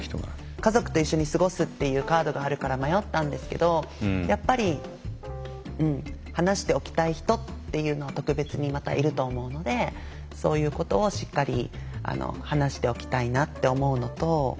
「家族と一緒に過ごす」っていうカードがあるから迷ったんですけどやっぱり話しておきたい人っていうのは特別にまたいると思うのでそういうことをしっかり話しておきたいなって思うのと。